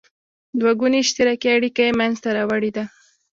دوه ګوني اشتراکي اړیکه یې مینځته راوړې ده.